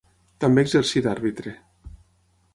També exercí d'àrbitre.